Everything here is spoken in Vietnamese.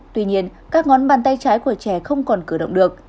tuy nhiên các ngón bàn tay trái của trẻ không còn cử động được